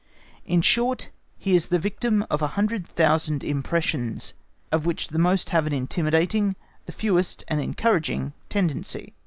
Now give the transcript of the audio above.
In short, he is the victim of a hundred thousand impressions, of which the most have an intimidating, the fewest an encouraging tendency.